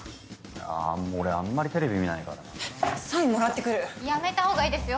あ俺あんまりテレビ見ないからなあサインもらってくる・やめた方がいいですよ